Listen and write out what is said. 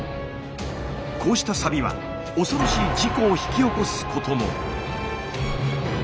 こうしたサビは恐ろしい事故を引き起こすことも。